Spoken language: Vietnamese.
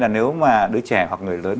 nếu mà đứa trẻ hoặc người lớn